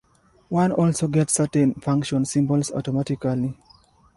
One also gets certain function symbols automatically.